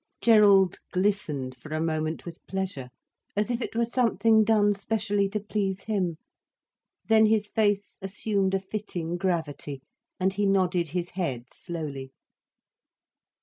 Gerald glistened for a moment with pleasure, as if it were something done specially to please him. Then his face assumed a fitting gravity, and he nodded his head slowly.